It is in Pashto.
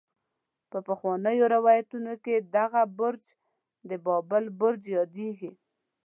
په پخوانو روايتونو کې دغه برج د بابل برج يادېږي.